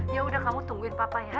ya udah kamu tungguin papa ya